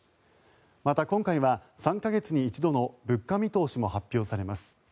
また、今回は３か月に一度の物価見通しも発表されます。